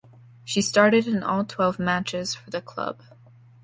She started in all twelve matches for the club.